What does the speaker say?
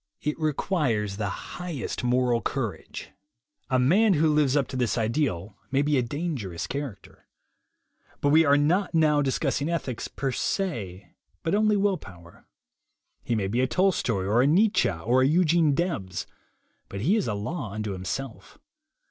It requires the highest moral courage. A man who lives up to this ideal may be a "dangerous" character. But we are not now dis cussing ethics, per se, but only will power. He is the strong character, the great character. He may be a Tolstoy or a Nietzsche or a Eugene Debs ; but he is a law unto himself.